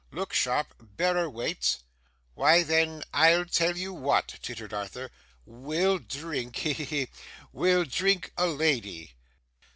'Look sharp. Bearer waits.' 'Why, then, I'll tell you what,' tittered Arthur, 'we'll drink he, he, he! we'll drink a lady.